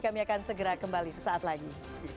kami akan segera kembali sesaat lagi